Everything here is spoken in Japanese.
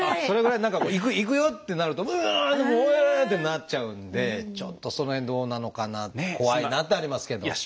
それぐらい何かこういくよ！ってなるとうううう！ってなっちゃうんでちょっとその辺どうなのかな怖いなってありますけど。